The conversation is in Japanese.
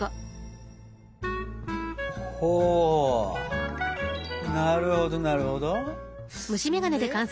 ほなるほどなるほど。